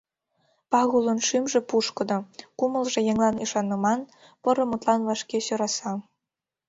Пагулын шӱмжӧ пушкыдо, кумылжо еҥлан ӱшаныман, поро мутлан вашке сӧраса.